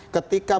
ketika pak anies